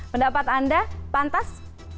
pendapat anda pantas